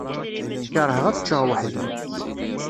Kerheɣ ad ččeɣ weḥd-i.